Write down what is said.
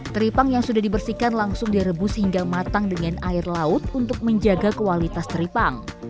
teripang yang sudah dibersihkan langsung direbus hingga matang dengan air laut untuk menjaga kualitas teripang